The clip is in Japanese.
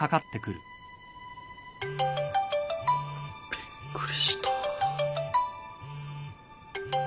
びっくりした。